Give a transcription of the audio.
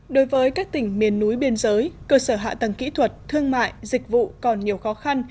đối với các tỉnh miền núi biên giới cơ sở hạ tầng kỹ thuật thương mại dịch vụ còn nhiều khó khăn